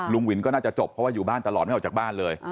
วินก็น่าจะจบเพราะว่าอยู่บ้านตลอดไม่ออกจากบ้านเลย